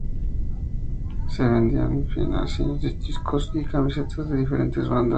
Se vendían fanzines, discos y camisetas de diferentes bandas.